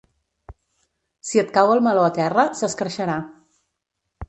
Si et cau el meló a terra, s'escarxarà.